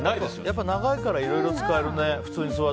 やっぱり長いからいろいろ使えるね。